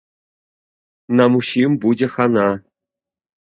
Нам усім будзе хана!